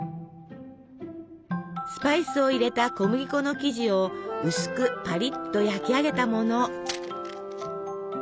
スパイスを入れた小麦粉の生地を薄くパリッと焼き上げたもの。